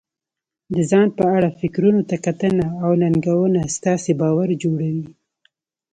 د ځان په اړه فکرونو ته کتنه او ننګونه ستاسې باور جوړوي.